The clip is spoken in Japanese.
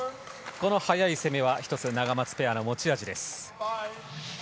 この速い攻めはナガマツペアの持ち味です。